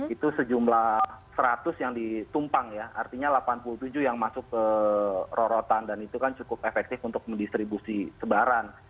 itu sejumlah seratus yang ditumpang ya artinya delapan puluh tujuh yang masuk ke rorotan dan itu kan cukup efektif untuk mendistribusi sebaran